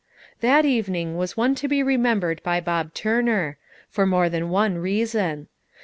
That evening was one to be remembered by Bob Turner, for more than one reason.